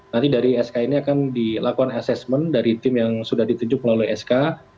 nanti dari sk ini akan dilakukan assessment dari tim yang sudah ditunjuk melalui sk